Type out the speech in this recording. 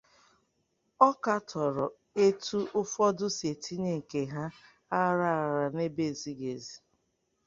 Ọ katọrọ etu ụfọdụ si etinye nke ha aghara aghara n'ebe ezighị ezi